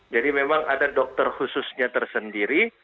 jadi memang ada dokter khususnya tersendiri